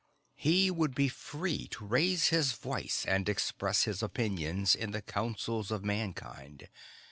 He would be free to raise his voice and express his opinions in the Councils of Mankind.